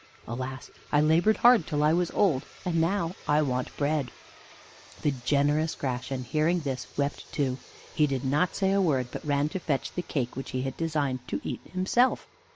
Alas! I labored hard till I was old, and now I want bread.' "The generous Gratian, hearing this, wept too. He did not say a word, but ran to fetch the cake which he had designed to eat himself.